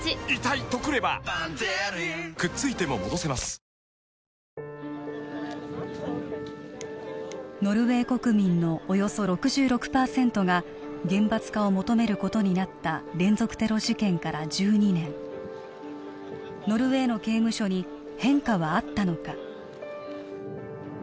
私たちはその現場を訪れたノルウェー国民のおよそ６６％が厳罰化を求めることになった連続テロ事件から１２年ノルウェーの刑務所に変化はあったのか？